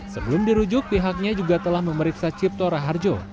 sebelum dirujuk pihaknya juga telah memeriksa cipto raharjo